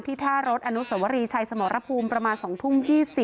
ท่ารถอนุสวรีชัยสมรภูมิประมาณ๒ทุ่ม๒๐